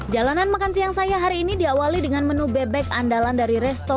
jalanan makan siang saya hari ini diawali dengan menu bebek andalan dari resto